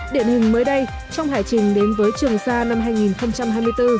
điện hình mới đây trong hải trình đến với trường sa năm hai nghìn hai mươi bốn